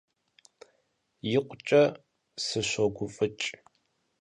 Yikhuç'e sışoguf'ıç'.